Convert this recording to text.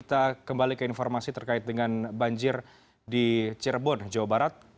kita kembali ke informasi terkait dengan banjir di cirebon jawa barat